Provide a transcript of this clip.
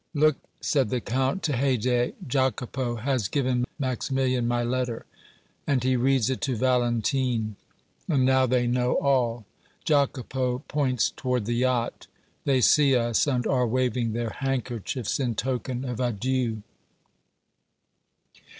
"Look," said the Count to Haydée, "Jacopo has given Maximilian my letter; he reads it to Valentine, and now they know all. Jacopo points toward the yacht; they see us and are waving their handkerchiefs in token of adieu."